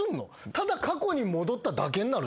ただ過去に戻っただけになるで。